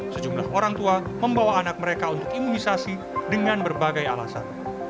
sejumlah orang tua membawa anak mereka untuk imunisasi dengan berbagai alasan